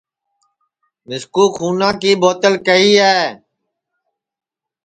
مِسکُو کُھونا کی ٻُوتل کیہی ہے